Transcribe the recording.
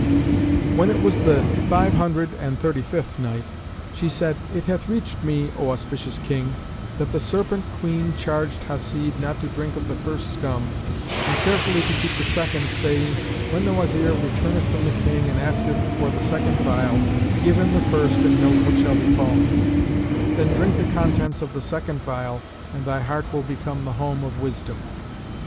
When it was the Five Hundred and Thirty fifth Night, She said, It hath reached me, O auspicious King, that the Serpent queen charged Hasib not to drink of the first scum and carefully to keep the second, saying, "When the Wazir returneth from the King and asketh for the second phial, give him the first and note what shall befall him; then drink the contents of the second phial and thy heart will become the home of wisdom.